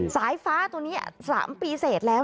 สายฟ้าตัวนี้๓ปีเสร็จแล้ว